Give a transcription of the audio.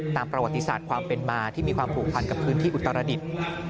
ตามประวัติศาสตร์ความเป็นมาที่มีความผูกพันกับพื้นที่อุตรดิษฐ์